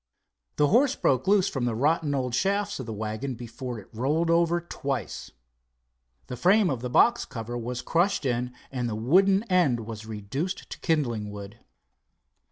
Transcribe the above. The horse broke loose from the rotten old shafts of the wagon before it rolled over twice. The frame of the box cover was crushed in and the wooden end was reduced to kindling wood.